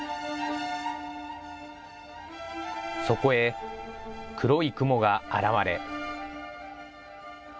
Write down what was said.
そこへ、黒い雲が現れ。